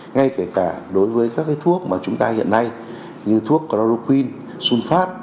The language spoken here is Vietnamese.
ngay cả đối với các thuốc mà chúng ta hiện nay như thuốc chloroquine sunfat